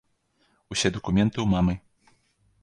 Усе дакументы ў мамы.